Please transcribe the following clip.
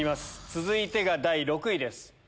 続いてが第６位です。